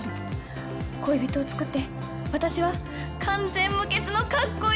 恋人を作って私は完全無欠のかっこいい現代人になる！